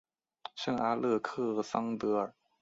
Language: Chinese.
圣阿勒克桑德尔。